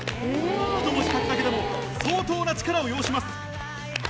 ひと文字書くだけでも相当な力を要します。